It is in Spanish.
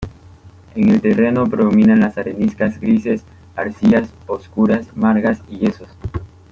En el terreno predominan las areniscas grises, arcillas oscuras, margas y yesos.